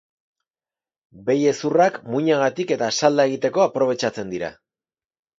Behi hezurrak muinagatik eta salda egiteko aprobetxatzen dira.